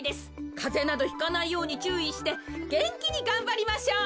かぜなどひかないようにちゅういしてげんきにがんばりましょう。